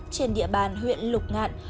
trên địa bàn huyện lục